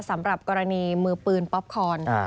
สำหรับกรณีมือปืนป๊อปคอน